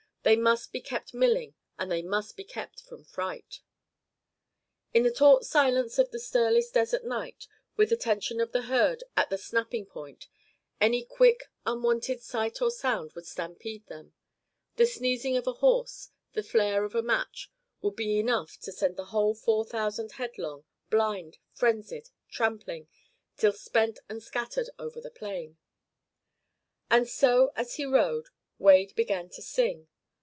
They must be kept milling and they must be kept from fright. In the taut silence of the stirless desert night, with the tension of the herd at the snapping point, any quick, unwonted sight or sound would stampede them; the sneezing of a horse, the flare of a match, would be enough to send the whole four thousand headlong blind, frenzied, trampling till spent and scattered over the plain. And so, as he rode, Wade began to sing.